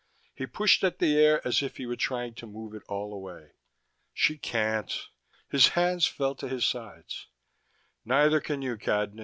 He pushed at the air as if he were trying to move it all away. "She can't." His hands fell to his sides. "Neither can you, Cadnan.